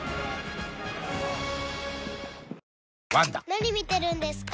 ・何見てるんですか？